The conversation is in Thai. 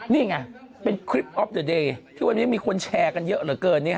นี่ไงเป็นคลิปออฟเดอเดย์ที่วันนี้มีคนแชร์กันเยอะเหลือเกิน